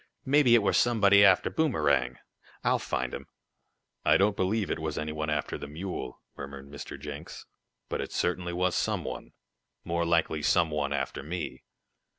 "Mebby it were somebody arter Boomerang! I'll find 'em." "I don't believe it was any one after the mule," murmured Mr. Jenks, "but it certainly was some one more likely some one after me."